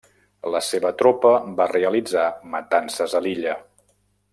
La seva tropa va realitzar matances a l'illa.